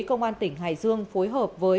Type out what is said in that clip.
công an tỉnh hải dương phối hợp với